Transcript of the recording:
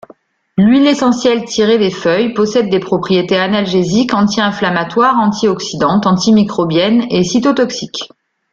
L'huile essentielle tirée des feuilles possède des propriétés analgésiques, anti-inflammatoires, antioxydantes, antimicrobiennes et cytotoxiques.